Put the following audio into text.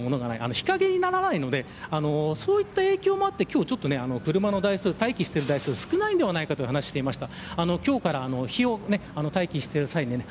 日陰にならないのでそういった影響もあって今日は車の待機している台数が少ないのではないかという話をしていました。